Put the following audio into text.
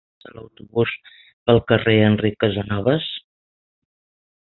Quan passa l'autobús pel carrer Enric Casanovas?